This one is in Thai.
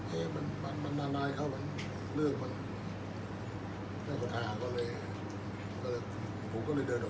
อันไหนที่มันไม่จริงแล้วอาจารย์อยากพูด